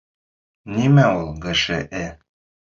— Нимә ул ГШЭ?..